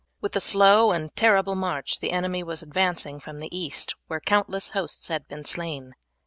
With a slow and terrible march the enemy was advancing from the East, where countless hosts had been slain.